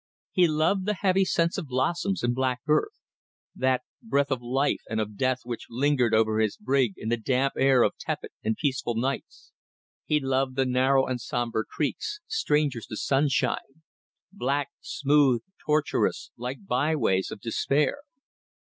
He loved the heavy scents of blossoms and black earth, that breath of life and of death which lingered over his brig in the damp air of tepid and peaceful nights. He loved the narrow and sombre creeks, strangers to sunshine: black, smooth, tortuous like byways of despair.